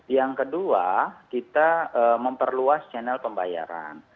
yang kedua kita memperluas channel pembayaran